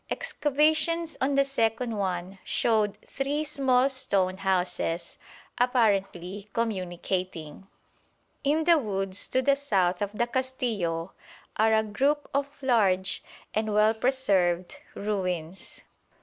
Excavations on the second one showed three small stone houses, apparently communicating. In the woods to the south of the Castillo are a group of large and well preserved ruins.